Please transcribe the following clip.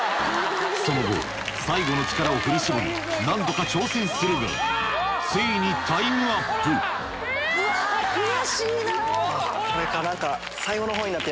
その後最後の力を振り絞り何度か挑戦するがついにタイムアップ何か。